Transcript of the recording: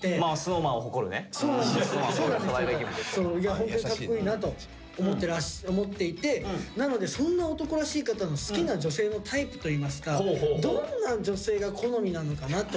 ホントにかっこいいなと思っていてなのでそんな男らしい方の好きな女性のタイプといいますかどんな女性が好みなのかなと。